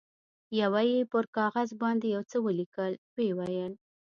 یوه یې پر کاغذ باندې یو څه ولیکل، ویې ویل.